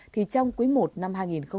thì trong quý i năm hai nghìn hai mươi